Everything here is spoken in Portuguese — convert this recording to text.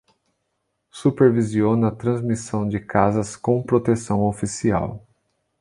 Supervisiona a transmissão de casas com proteção oficial.